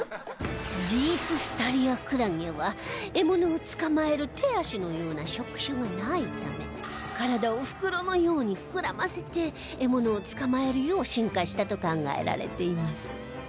ディープスタリアクラゲは獲物を捕まえる手足のような触手がないため体を袋のように膨らませて獲物を捕まえるよう進化したと考えられています